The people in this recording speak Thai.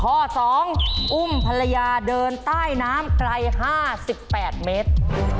ข้อสองอุ้มภรรยาเดินใต้น้ำไกลห้าสิบแปดเมตร